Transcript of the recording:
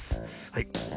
はい。